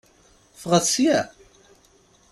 Ffɣet sya!